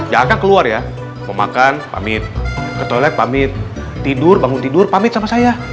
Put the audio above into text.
jangan keluar ya mau makan pamit ke toilet pamit tidur bangun tidur pamit sama saya